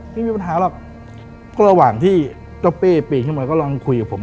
ไม่มีปัญหาหรอกก็ระหว่างที่เจ้าเป้ปีนขึ้นมาก็ลองคุยกับผม